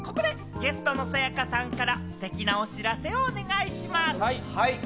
ここでゲストのさや香さんからステキなお知らせをお願いします。